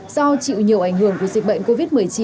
do chịu nhiều ảnh hưởng của dịch bệnh covid một mươi chín